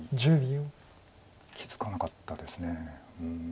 気付かなかったです。